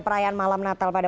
terima kasih pak